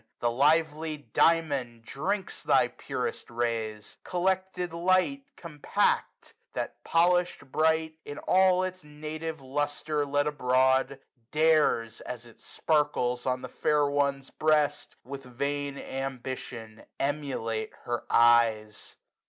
The Kvely Diamond drinks thy purest rays. Collected light, compact ; that, polishM bright. And all its native lustre let abroad. Dares, as it sparkles on the fair one's breast, 145 With vain ambition emulate her eyes.